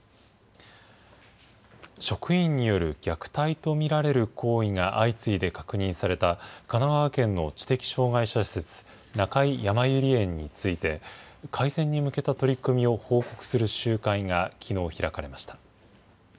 職員による虐待と見られる行為が相次いで確認された神奈川県の知的障害者施設、中井やまゆり園について、改善に向けた取り組みを報告する集会がきのう開かれました。